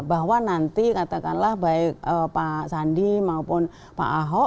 bahwa nanti katakanlah baik pak sandi maupun pak ahok